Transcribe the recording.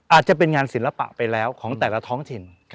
อาจจะเป็นงานศิลปะไปแล้วของแต่ละท้องถิ่น